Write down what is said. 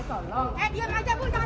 eh diam aja bu jangan lebih serius